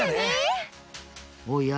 おや？